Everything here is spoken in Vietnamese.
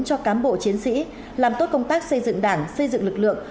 cho cán bộ chiến sĩ làm tốt công tác xây dựng đảng xây dựng lực lượng